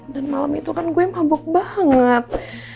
dan malem itu kan gue mabok banget